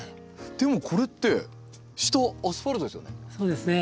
でもこれって下アスファルトですよね。